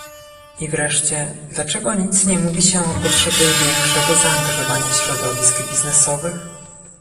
I wreszcie, dlaczego nic nie mówi się o potrzebie większego zaangażowania środowisk biznesowych?